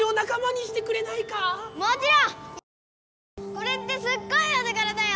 これってすっごいお手がらだよ！